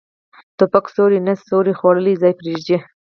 توپک سیوری نه، سیوری خوړلی ځای پرېږدي.